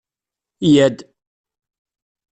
Yya-d!